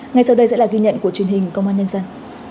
ngay sau đây sẽ là ghi nhận của truyền hình công an nhân dân